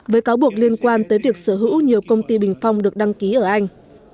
với cáo buộc liên quan tới việc sở hữu nhiều công ty bình phong được đăng ký ở anh